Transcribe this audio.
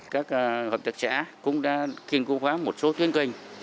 các hợp trật trả cũng đã kiên cố phá một số thiên kinh